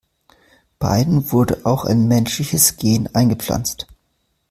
Beiden wurde auch ein menschliches Gen eingepflanzt.